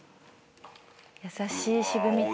優しい渋みと。